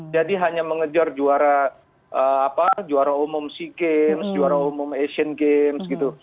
jadi hanya mengejar juara umum sea games juara umum asian games gitu